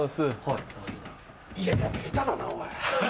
いや下手だなおい！